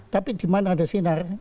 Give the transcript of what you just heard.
tapi di mana ada sinar